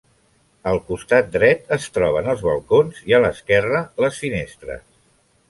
Al costat dret es troben els balcons i a l'esquerra les finestres.